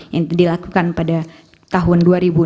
yang dilakukan pada tahun dua ribu dua puluh